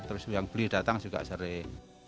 terus yang beli datang juga sering